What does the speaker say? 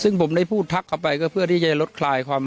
ซึ่งผมได้พูดทักเข้าไปก็เพื่อที่จะลดคลายความ